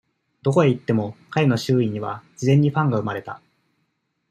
どこへ行っても、彼の周囲には、自然にファンが生まれた。